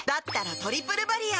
「トリプルバリア」